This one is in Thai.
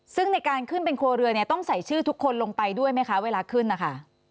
ซึ่งในการขึ้นเป็นครัวเรือเนี่ยต้องใส่ชื่อทุกคนลงไปด้วยไหมคะเวลาขึ้นนะคะ